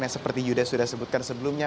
yang seperti yuda sudah sebutkan sebelumnya